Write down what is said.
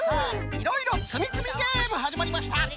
いろいろつみつみゲームはじまりました。